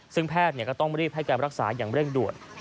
ซึ่งแพทย์ก็ต้องรีบให้การรักษาอย่างเร่งด่วน